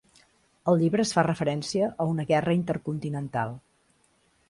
Al llibre es fa referència a una guerra intercontinental.